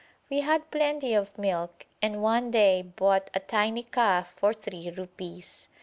We had plenty of milk and one day bought a tiny calf for three rupees.